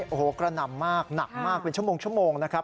โอ้โหกระหน่ำมากหนักมากเป็นชั่วโมงนะครับ